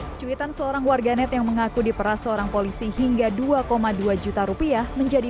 hai cuy tan seorang warganet yang mengaku diperas seorang polisi hingga dua dua juta rupiah menjadi